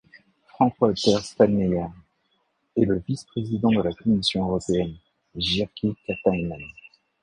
Frank-Walter Steinmeier et le Vice-président de la Commission européenne Jyrki Katainen.